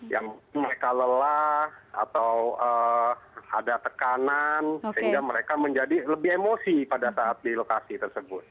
yang mereka lelah atau ada tekanan sehingga mereka menjadi lebih emosi pada saat di lokasi tersebut